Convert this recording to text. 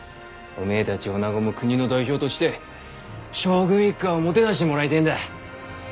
おめぇたちおなごも国の代表として将軍一家をもてなしてもらいてぇんだ。